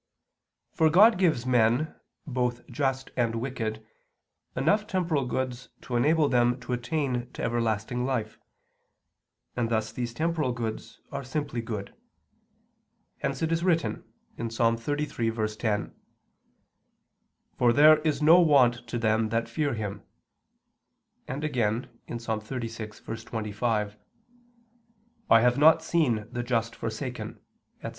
For God gives men, both just and wicked, enough temporal goods to enable them to attain to everlasting life; and thus these temporal goods are simply good. Hence it is written (Ps. 33:10): "For there is no want to them that fear Him," and again, Ps. 36:25: "I have not seen the just forsaken," etc.